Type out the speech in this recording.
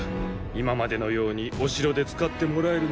今までのようにお城で使ってもらえるのか？